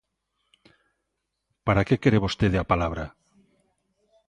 ¿Para que quere vostede a palabra?